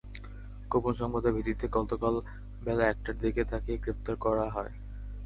গোপন সংবাদের ভিত্তিতে গতকাল বেলা একটার দিকে তাঁকে গ্রেপ্তার করা হয়।